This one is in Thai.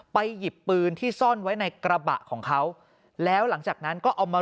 หยิบปืนที่ซ่อนไว้ในกระบะของเขาแล้วหลังจากนั้นก็เอามา